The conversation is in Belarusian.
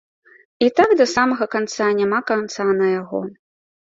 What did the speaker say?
І так да самага канца няма канца на яго.